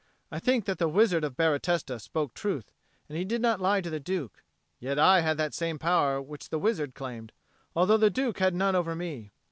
I think that the Wizard of Baratesta spoke truth, and did not lie to the Duke. Yet I had that same power which the wizard claimed, although the Duke had none over me.